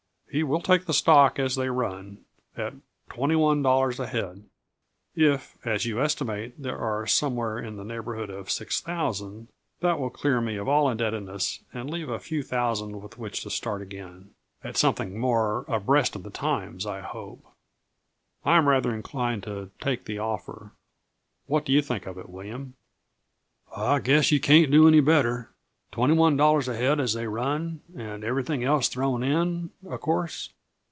"He will take the stock as they run, at twenty one dollars a head. If, as you estimate, there are somewhere in the neighborhood of six thousand, that will dear me of all indebtedness and leave a few thousands with which to start again at something more abreast of the times, I hope. I am rather inclined to take the offer. What do you think of it, William?" "I guess yuh can't do any better. Twenty one dollars a head as they run and everything else thrown in, uh course?"